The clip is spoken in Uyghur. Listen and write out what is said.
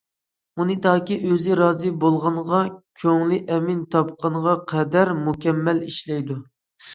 ئۇنى تاكى ئۆزى رازى بولغانغا، كۆڭلى ئەمىن تاپقانغا قەدەر مۇكەممەل ئىشلەيدۇ.